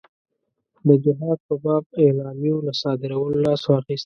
د جهاد په باب اعلامیو له صادرولو لاس واخیست.